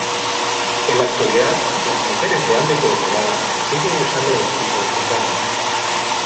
En la actualidad, las mujeres de ámbito rural siguen usando dos tipos de tocados.